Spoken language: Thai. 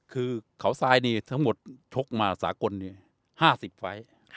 คือเขาทรายนี่ทั้งหมดชกมาสากล๕๐ไฟล์